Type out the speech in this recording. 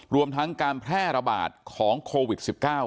รวมทั้งการแพร่ระบาดของโควิด๑๙